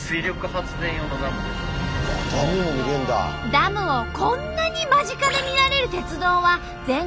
ダムをこんなに間近で見られる鉄道は全国でも珍しいんだって。